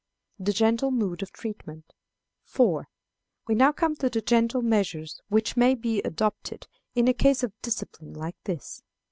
The Gentle Method of Treatment. 4. We now come to the gentle measures which may be adopted in a case of discipline like this.